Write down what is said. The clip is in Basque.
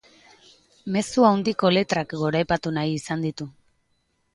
Mezu handiko letrak goraipatu nahi izan ditu.